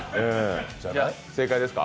正解ですか？